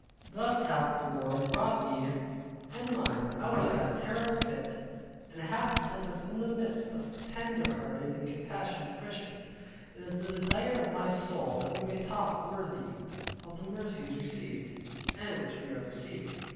Thus hath the Lord brought me and mine out of that horrible pit, and hath set us in the midst of tender hearted and compassionate Christians. It is the desire of my soul that we may walk worthy of the mercies received, and which we are receiving.